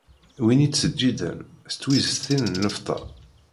Win i yettseǧǧiden s twiztin n lfeṭṭa.